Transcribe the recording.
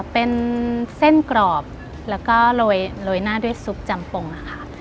เป็นเส้นกรอบแล้วก็โรยหน้าด้วยซุปจำปงนะคะ